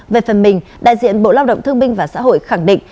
về phần mình đại diện bộ lao động thương minh và xã hội khẳng định